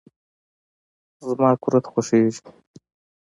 زما قورت خوشیزی.